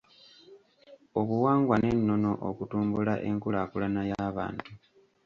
Obuwangwa n’ennono okutumbula enkulaakulana y’abantu.